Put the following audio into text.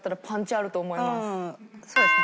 うんそうですね。